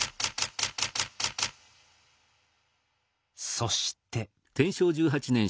そして。